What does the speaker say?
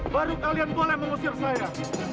baru kalian boleh mengusir saya